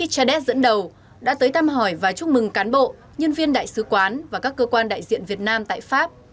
chadet dẫn đầu đã tới thăm hỏi và chúc mừng cán bộ nhân viên đại sứ quán và các cơ quan đại diện việt nam tại pháp